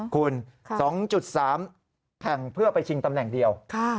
คุณ๒๓แห่งเพื่อไปชิงตำแหน่งเดียว